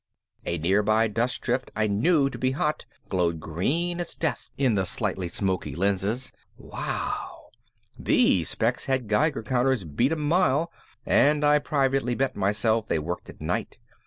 A nearby dust drift I knew to be hot glowed green as death in the slightly smoky lenses. Wow! Those specs had Geiger counters beat a mile and I privately bet myself they worked at night.